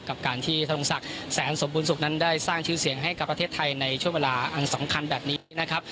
กับการที่ธนงศักดิ์แสนสมบูรณสุขนั้นได้สร้างชื่อเสียงให้กับประเทศไทยในช่วงเวลาอันสำคัญแบบนี้นะครับ